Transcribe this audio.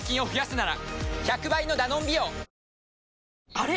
あれ？